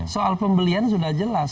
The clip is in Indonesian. soal pembelian sudah jelas